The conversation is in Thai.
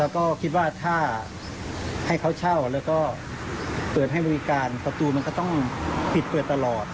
ก็คิดว่าถ้าให้เขาเช่าแล้วก็เปิดให้บริการประตูมันก็ต้องปิดเปิดตลอด